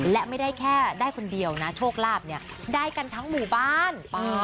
และไม่ได้แค่ได้คนเดียวนะโชคลาภเนี่ยได้กันทั้งหมู่บ้าน